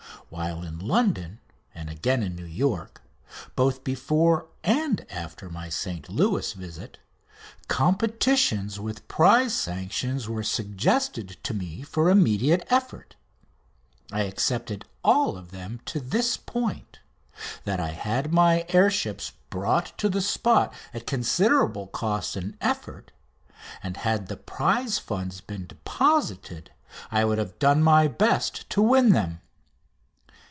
While in London, and again in New York, both before and after my St Louis visit, competitions with prize sanctions were suggested to me for immediate effort. I accepted all of them to this point, that I had my air ships brought to the spot at considerable cost and effort, and had the prize funds been deposited I would have done my best to win them.